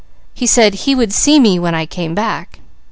He said he 'would see me when I came back.'